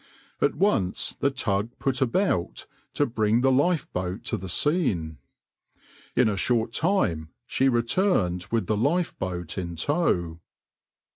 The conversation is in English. At once the tug put about to bring the lifeboat to the scene. In a short time she returned with the lifeboat in tow.